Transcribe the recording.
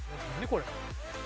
これ。